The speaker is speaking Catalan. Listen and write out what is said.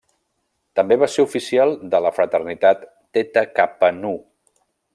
També va ser oficial de la fraternitat Theta Kappa Nu.